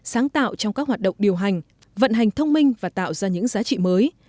sáng tạo trong các hoạt động điều hành vận hành thông minh và tạo ra những giá trị mới